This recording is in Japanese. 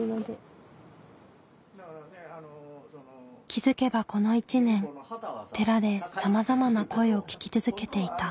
気付けばこの１年寺でさまざまな声を聞き続けていた。